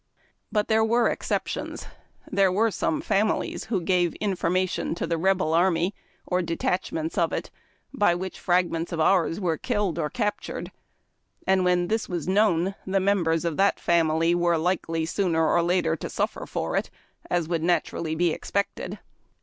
But there were exceptions. There were some families who gave information to the Rebel army or de tachments of it, by which fragments of ours were killed or captured, and when this was known the members of that family were likely sooner or later to suffer for it, as would naturally be expected.